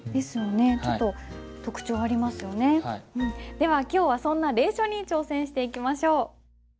では今日はそんな隷書に挑戦していきましょう。